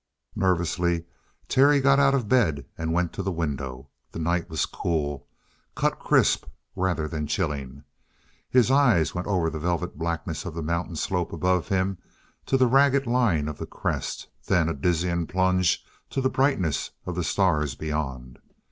Nervously, Terry got out of bed and went to the window. The night was cool, cut crisp rather than chilling. His eye went over the velvet blackness of the mountain slope above him to the ragged line of the crest then a dizzy plunge to the brightness of the stars beyond.